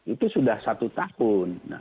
itu sudah satu tahun